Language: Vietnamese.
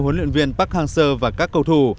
huấn luyện viên park hang seo và các cầu thủ